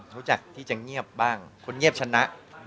รู้จักที่จะเงียบบ้างคนเงียบชนะ